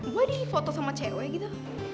gue di foto sama cewek gitu